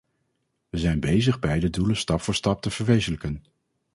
We zijn bezig beide doelen stap voor stap te verwezenlijken.